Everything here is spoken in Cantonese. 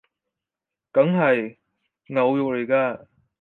梗係！牛肉來㗎！